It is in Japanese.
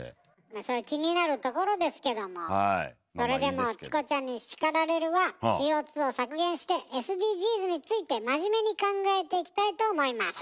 まあそういう気になるところですけどもそれでも「チコちゃんに叱られる！」はＣＯを削減してＳＤＧｓについて真面目に考えていきたいと思います。